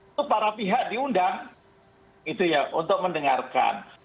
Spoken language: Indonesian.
itu para pihak diundang gitu ya untuk mendengarkan